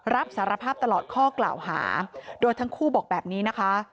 รับสารภาพตลอดข้อกล่าวหาโดยทั้งคู่บอกแบบนี้นะคะ